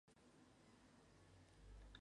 Su abreviatura es Rs.